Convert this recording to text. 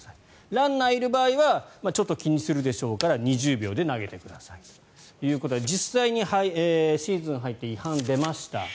ランナーいる場合はちょっと気にするでしょうから２０秒で投げてくださいということで実際にシーズン入って違反が出ました。